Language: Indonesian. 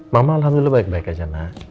mamah alhamdulillah baik baik aja nah